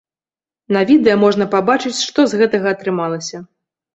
На відэа можна пабачыць, што з гэтага атрымалася.